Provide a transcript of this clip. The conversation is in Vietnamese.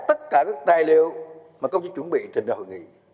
tất cả các tài liệu mà công chí chuẩn bị trình ra hội nghị